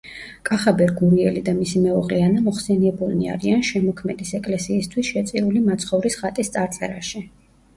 კახაბერ გურიელი და მისი მეუღლე ანა მოხსენიებულნი არიან შემოქმედის ეკლესიისთვის შეწირული მაცხოვრის ხატის წარწერაში.